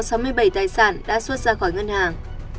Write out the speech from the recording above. sáu mươi bảy tài sản đã xuất ra khỏi ngân hàng